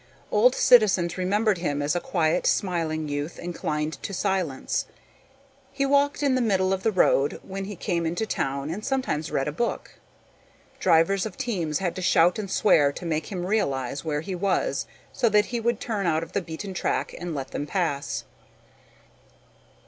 Old citizens remembered him as a quiet, smiling youth inclined to silence. He walked in the middle of the road when he came into town and sometimes read a book. Drivers of teams had to shout and swear to make him realize where he was so that he would turn out of the beaten track and let them pass.